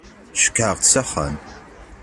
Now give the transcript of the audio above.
Ceggɛeɣ-tt s axxam.